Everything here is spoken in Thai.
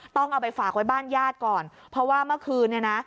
ต้องเอาไปฝากไว้บ้านญาติก่อนเพราะว่าเมื่อคืนเนี่ยนะ